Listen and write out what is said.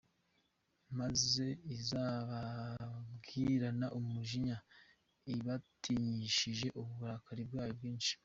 Maze izababwirana umujinya, Ibatinyishishe uburakari bwayo bwinshi